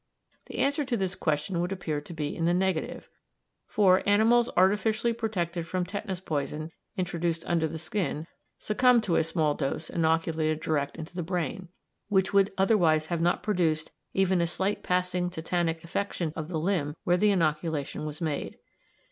The answer to this question would appear to be in the negative, for animals artificially protected from tetanus poison introduced under the skin succumbed to a small dose inoculated direct into the brain, which would otherwise have not produced even a slight passing tetanic affection of the limb where the inoculation was made.